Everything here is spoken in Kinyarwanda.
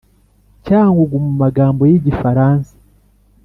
Cyangugu Mu magambo y Igifaransa